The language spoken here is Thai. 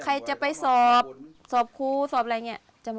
ใครจะไปสอบสอบครูสอบอะไรเงี้ยจะมาบน